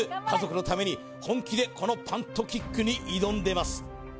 家族のために本気でこのパントキックに挑んでます